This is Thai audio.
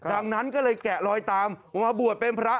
ดังนั้นก็เลยแกะลอยตามมาบวชเป็นพระ